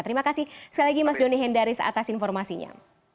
terima kasih sekali lagi mas doni hendaris atas informasinya